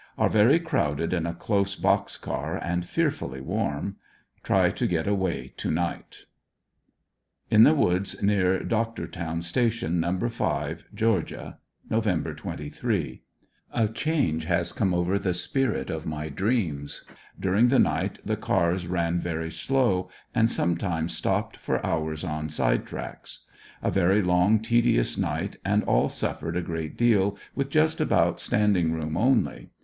Are very crowded in a close box car and fearfully warm. Try to pet away to night In the Woods near Doctortown Station, No. 5, Ga., Nov. 23. — A change has come over the spirit of my dreams During the ANDEBSONVILLE DIARY. 121 night the cars ran very slow, and sometimes stopped for hours on side tracks. A very long, tedious night, and all suffered a great deal with just about standing room only.